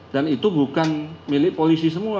dan itu bukan milik polisi semua